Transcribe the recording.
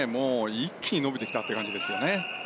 一気に伸びてきたという感じですよね。